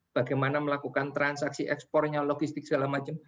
bagaimana melakukan transaksi ekspornya logistik segala macam